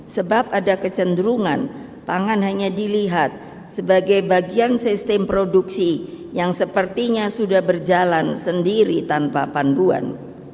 sebab ada kecenderungan pangan hanya dilihat sebagai bagian sistem produksi yang sepertinya sudah berjalan sendiri tanpa panduan